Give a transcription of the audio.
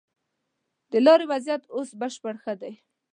د لارې وضيعت اوس بشپړ ښه دی.